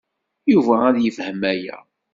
Yuba ad yefhem aya.